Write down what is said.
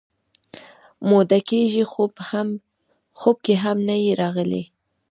موده کېږي خوب کې هم نه یې راغلی